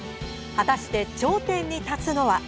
果たして頂点に立つのは？